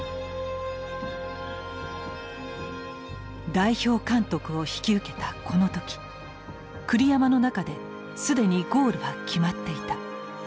代表監督を引き受けたこの時栗山の中で既にゴールは決まっていた。